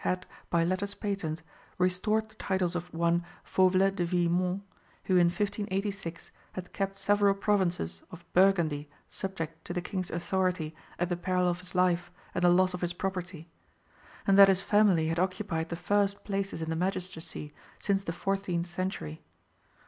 had, by letters patent, restored the titles of one Fauvelet de Villemont, who in 1586 had kept several provinces of Burgundy subject to the king's authority at the peril of his life and the loss of his property; and that his family had occupied the first places in the magistracy since the fourteenth century.